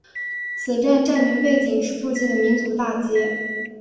此站站名背景是附近的民族大街。